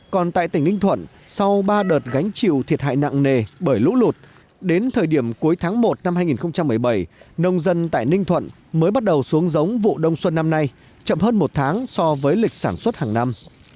còn tại tỉnh ninh thuận sau ba đợt gánh chịu thiệt hại nặng nề bởi lũ lụt đến thời điểm cuối tháng một năm hai nghìn một mươi bảy nông dân tại ninh thuận mới bắt đầu xuống giống vụ đông xuân năm nay chậm hơn một tháng so với lịch sản xuất hàng năm